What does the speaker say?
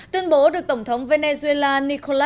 tuyên bố được tổng thống venezuela nicolás